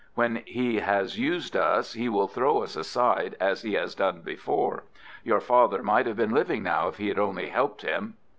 When he has used us he will throw us aside as he has done before. Your father might have been living now if he had only helped him."